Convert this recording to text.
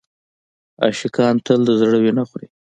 عاشقان تل د زړه وینه خوري.